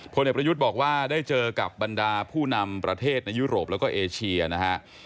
เด็กประยุทธ์บอกว่าได้เจอกับบรรดาผู้นำประเทศในยุโรปแล้วก็เอเชียนะฮะ